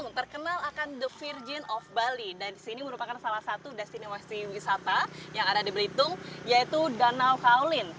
yang terkenal akan the virgin of bali dan disini merupakan salah satu destinasi wisata yang ada di belitung yaitu danau faulin